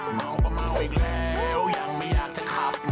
เหมาะกว่าเหมาะอีกแล้วยังไม่ยากจะขับ